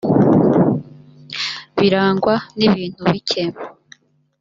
birangwa n’ibintu bike